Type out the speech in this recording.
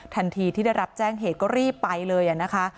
ทันทีที่ได้รับแจ้งเหตุก็รีบไปเลยนะคะ